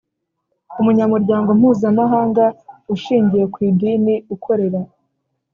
umuryango mpuzamahanga ushingiye ku idini Ukorera